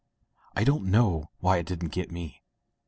I don't know why it didn't get me.